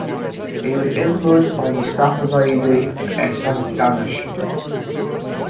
He was influenced by Mustafa Zaidi and Ehsan Danish.